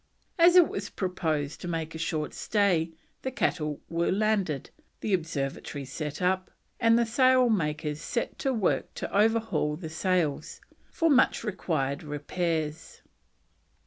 As it was proposed to make a short stay, the cattle were landed, the observatory set up, and the sail makers set to work to overhaul the sails, for much required repairs.